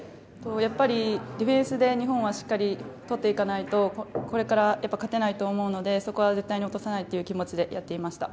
やっぱりディフェンスで日本はしっかり取っていかないとこれから勝てないと思うので、そこは絶対に落とせないという気持ちでやっていました。